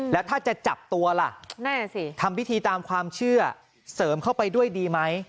แล้วถ้าจะจับตัวล่ะทำพิธีตามความเชื่อเสริมเข้าไปด้วยดีไหม